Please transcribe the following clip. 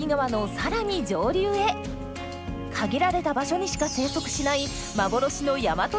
限られた場所にしか生息しない幻のヤマトイワナを狙います。